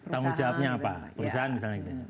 tanggung jawabnya apa perusahaan misalnya gitu